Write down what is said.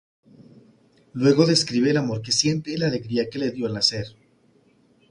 Luego describe el amor que siente y la alegría que le dio al nacer.